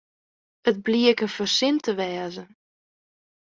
It bliek in fersin te wêzen.